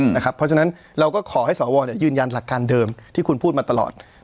เพราะฉะนั้นเราก็ขอให้สวยืนยันหลักการเดิมที่คุณพูดมาตลอด